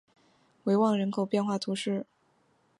维旺人口变化图示